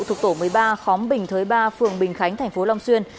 thuộc tổ một mươi ba khóm bình thới ba phường bình khánh thành phố long xuyên